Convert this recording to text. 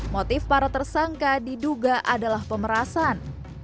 motif para tersangka diduga adalah pemerasan